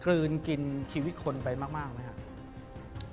ลืนกินชีวิตคนไปมากไหมครับ